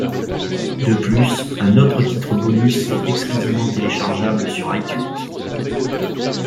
De plus, un autre titre bonus est exclusivement téléchargeable sur iTunes.